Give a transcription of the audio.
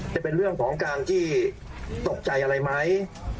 จะเป็นเรื่องของการที่ตกใจอะไรไหม